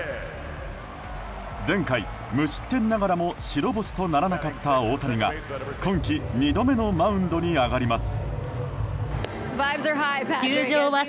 前回、無失点ながらも白星とならなかった大谷が今季２度目のマウンドに上がります。